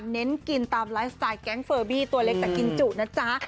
เน้นกินตามไลฟ์สไตล์แก๊งเฟอร์บี้ตัวเล็กแต่กินจุนะจ๊ะ